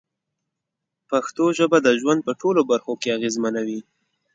پښتو ژبه د ژوند په ټولو برخو کې اغېزمنه وي.